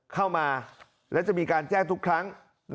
เข้ามาและจะมีการแจ้งทุกครั้ง